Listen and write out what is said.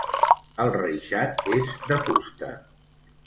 El reixat és de fusta.